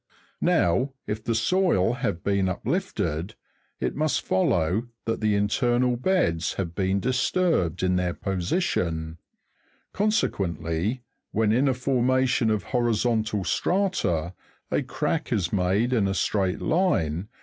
Now, if the soil haye been uplifted, it must follow that the internal beds have been distrbed in their position ; consequently, when in a formation of horizontal strata, a crack is made in a straight line (fig.